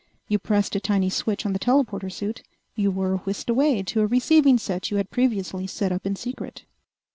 You pressed a tiny switch on the telporter suit; you were whisked away to a receiving set you had previously set up in secret.